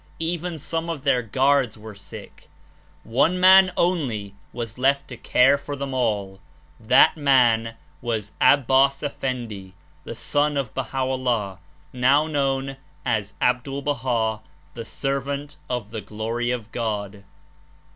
Even some of their guards were sick. One man only was left to care for them all; that man was Abbas Effendi, the son of Baha' o'llah, now known as Abdul Baha, the Servant of the Glory of God.